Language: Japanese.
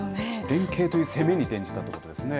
連携という攻めに転じたということですね。